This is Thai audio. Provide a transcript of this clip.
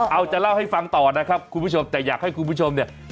เอาจะเล่าให้ฟังต่อนะครับคุณผู้ชมแต่อยากให้คุณผู้ชมเนี่ย